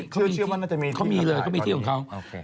เขามีเลยก็มีที่ของเขา